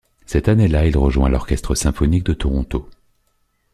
Cette année-là il rejoint l'Orchestre symphonique de Toronto.